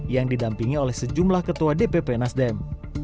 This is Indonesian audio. yang didampingi oleh sejumlah ketua dpp nasdem